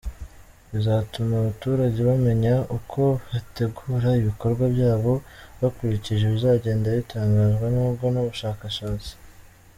Bizatuma abaturage bamenya uko bategura ibikorwa byabo bakurikije ibizagenda bitangazwa n’ubwo n’ubushakashatsi.